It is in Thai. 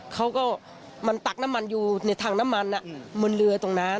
เขาก็มันตักน้ำมันอยู่ในถังน้ำมันบนเรือตรงนั้น